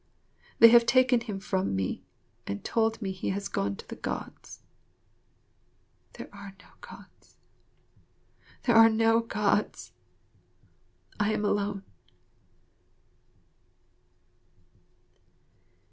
They have taken him from me and told me he has gone to the Gods. There are no Gods. There are no Gods. I am alone.